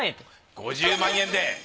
５０万円で。